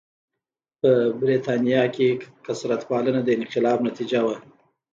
په برېټانیا کې کثرت پالنه د انقلاب نتیجه وه.